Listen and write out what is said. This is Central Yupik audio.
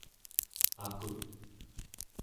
akut